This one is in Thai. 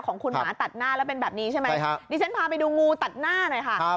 ของคุณหมาตัดหน้าแล้วเป็นแบบนี้ใช่ไหมดิฉันพาไปดูงูตัดหน้าหน่อยค่ะ